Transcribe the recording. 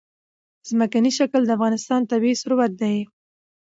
ځمکنی شکل د افغانستان طبعي ثروت دی.